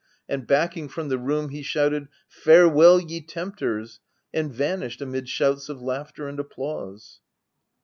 And backing from the room, he shouted, c Farewell, ye tempters !' and vanished amid shouts of laughter and applause.